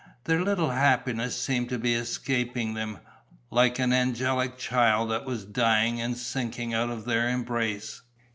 Their little happiness seemed to be escaping them, like an angelic child that was dying and sinking out of their embrace.